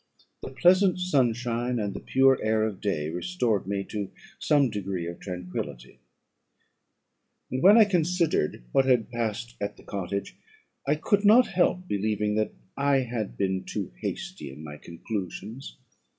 "The pleasant sunshine, and the pure air of day, restored me to some degree of tranquillity; and when I considered what had passed at the cottage, I could not help believing that I had been too hasty in my conclusions.